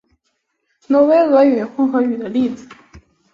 挪威俄语已转交文学作为一个稳定的混合语的例子。